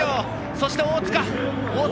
そして、大塚。